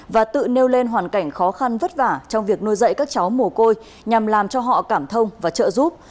và tự nêu lên hoàn cảnh khó khăn vất vả trong việc nuôi dạy các cháu mồ côi nhằm làm cho họ cảm thông và trợ giúp